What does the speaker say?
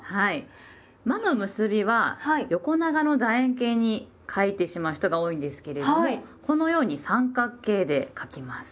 「ま」の結びは横長のだ円形に書いてしまう人が多いんですけれどもこのように三角形で書きます。